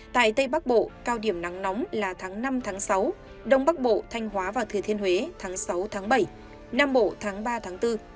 tại tây bắc bộ cao điểm nắng nóng là tháng năm sáu đông bắc bộ thanh hóa vào thời thiên huế tháng sáu bảy nam bộ tháng ba bốn